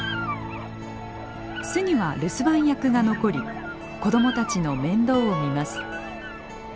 巣には留守番役が残り子どもたちの面倒を見ます。